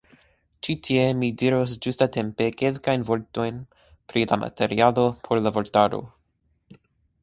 Ĉi tie mi diros ĝustatempe kelkajn vortojn pri la materialo por la vortaro.